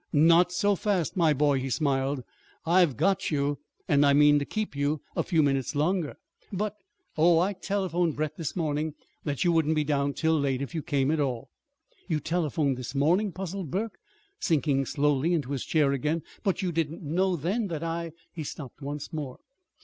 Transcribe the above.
"Not so fast, my boy," he smiled. "I've got you, and I mean to keep you a few minutes longer." "But " "Oh, I telephoned Brett this morning that you wouldn't be down till late, if you came at all." "You telephoned this morning!" puzzled Burke, sinking slowly into his chair again. "But you didn't know then that I " He stopped once more.